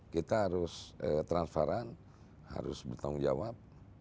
kita harus transparan harus bertanggung jawab